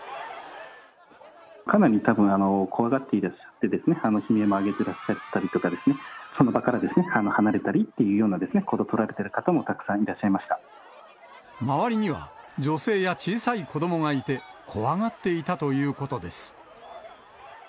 かなり多分怖がっていらっしゃって、悲鳴も上げっていらっしゃったりとかですね、その場から離れたりというような行動を取られてる方もたくさんい周りには、女性や小さい子どもがいて、怖がっていたということです。